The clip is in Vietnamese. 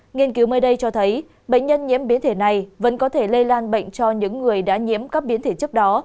nghiên cứu mới đây cho thấy bệnh nhân nhiễm biến thể này vẫn có thể lây lan bệnh cho những người đã nhiễm các biến thể trước đó